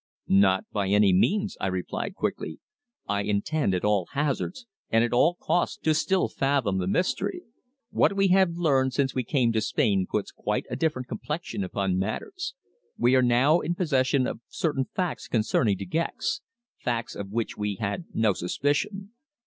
"Not by any means," I replied quickly. "I intend, at all hazards, and at all costs, to still fathom the mystery. What we have learned since we came to Spain puts quite a different complexion upon matters. We are now in possession of certain facts concerning De Gex facts of which we had no suspicion.